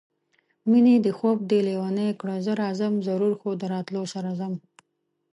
مېنې دې خوب دې لېونی کړه زه راځم ضرور خو د راتلو سره ځم